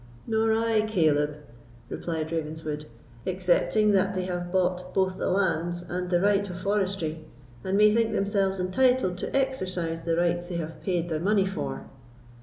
"Nor I, Caleb," replied Ravenswood, "excepting that they have bought both the lands and the right of forestry, and may think themselves entitled to exercise the rights they have paid their money for."